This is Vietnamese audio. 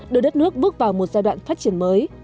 đưa đất nước bước vào một giai đoạn phát triển mới